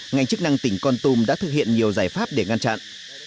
ngành chức năng tỉnh con tum đã thực hiện nhiều giải pháp để ngăn chặn